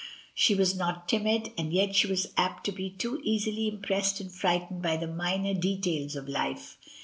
She was not timid, and yet she was apt to be too easily impressed and frightened by the minor details of life.